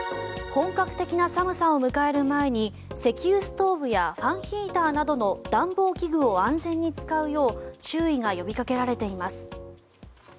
本格的な寒さを迎える前に石油ストーブやファンヒーターなどの暖房器具を安全に使うよう注意が呼びかけられています。